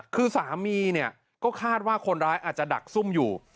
คือสามีเนี่ยก็คาดว่าคนร้ายอาจจะดักซุ่มอยู่